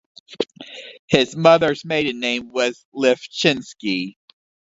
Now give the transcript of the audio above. His mother's maiden name was Lifschinsky.